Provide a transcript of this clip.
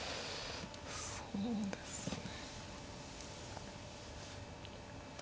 そうですね。